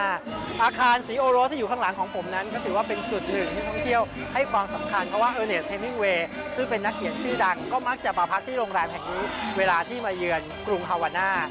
อาคารศรีโอโรสที่อยู่ข้างหลังของผมนั้นก็ถือว่าเป็นจุดหนึ่งที่ท่องเที่ยวให้ความสำคัญเพราะว่าเออเนสเทมิเวย์ซึ่งเป็นนักเขียนชื่อดังก็มักจะมาพักที่โรงแรมแห่งนี้เวลาที่มาเยือนกรุงฮาวาน่า